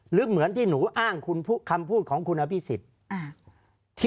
หรือเหมือนที่หนูอ้างคุณคำพูดของคุณอภิษฎ